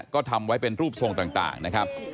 ก็ทำไว้เป็นรูปทรงต่างนะครับ